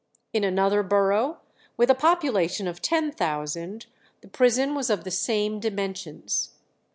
In another borough, with a population of ten thousand, the prison was of the same dimensions.